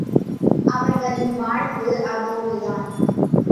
அவர்களின் வாழ்வு அதோடுதான்.